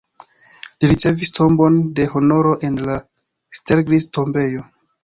Li ricevis tombon de honoro en la Steglitz-tombejo.